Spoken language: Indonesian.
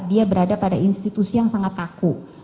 dia berada pada institusi yang sangat kaku